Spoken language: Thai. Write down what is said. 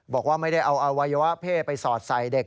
บอกว่าไม่ได้เอาอวัยวะเพศไปสอดใส่เด็ก